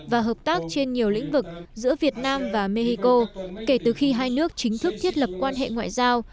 và hợp tác trên nhiều lĩnh vực giữa việt nam và mexico kể từ khi hai nước chính thức thiết lập quan hệ ngoại giao